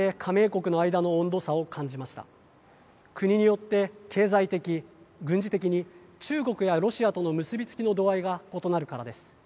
国によって経済的、軍事的に中国やロシアとの結び付きの度合いが異なるからです。